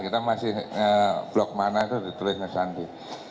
kita masih blok mana itu ditulisnya sandi